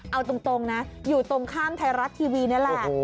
เอาตรงนะอยู่ตรงข้ามไทยรัฐทีวีนี่แหละ